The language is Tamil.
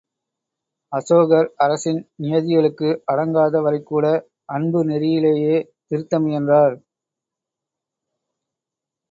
அசோகர் அரசின் நியதிகளுக்கு அடங்காத வரைக் கூட, அன்பு நெறியிலேயே திருத்த முயன்றார்.